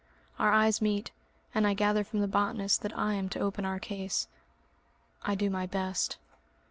Our eyes meet, and I gather from the botanist that I am to open our case. I do my best.